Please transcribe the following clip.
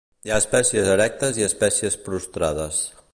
Hi ha espècies erectes i espècies prostrades.